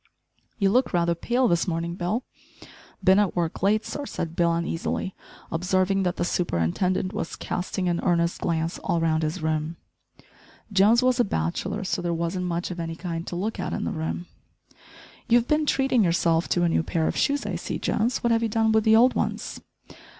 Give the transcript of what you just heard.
"You look rather pale this morning, Bill?" "Bin at work late, sir," said Bill uneasily, observing that the superintendent was casting an earnest glance all round his room. Jones was a bachelor, so there wasn't much of any kind to look at in the room. "You've been treating yourself to a new pair of shoes, I see, Jones, what have you done with the old ones?"